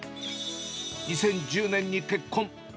２０１０年に結婚。